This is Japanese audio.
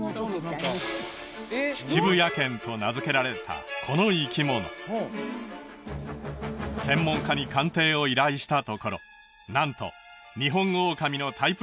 秩父野犬と名付けられたこの生き物専門家に鑑定を依頼したところなんとニホンオオカミのタイプ